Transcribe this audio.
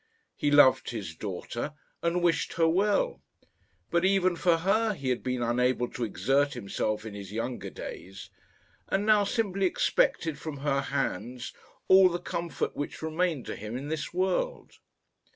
He loved his daughter, and wished her well; but even for her he had been unable to exert himself in his younger days, and now simply expected from her hands all the comfort which remained to him in this world.